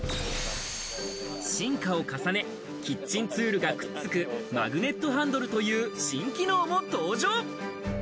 進化を重ね、キッチンツールがくっつくマグネットハンドルという新機能も登場。